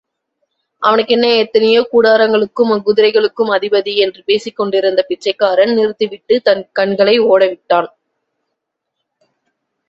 அவனுக்கென்ன, எத்தனையோ கூடாரங்களுக்கும், குதிரைகளுக்கும் அதிபதி! என்று பேசிக் கொண்டிருந்த பிச்சைக்காரன் நிறுத்திவிட்டுத் தன் கண்களை ஓடவிட்டான்.